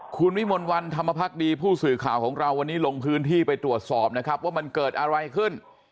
คือข่าวของเราวันนี้ลงพื้นที่ไปตรวจสอบนะครับว่ามันเกิดอะไรขึ้น